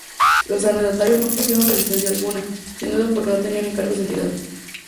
Los arrendatarios no opusieron resistencia alguna, sin duda porque no tenían encargos de entidad.